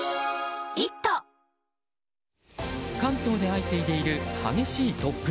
関東で相次いでいる激しい突風。